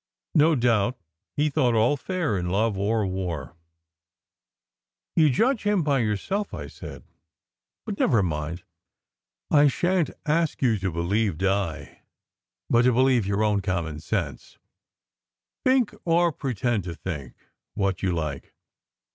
No doubt he thought all fair in love or war." " You judge him by yourself," I said. " But never mind I I shan t ask you not to believe Di, but to believe your own SECRET HISTORY 155 common sense. Think or pretend to think what you like."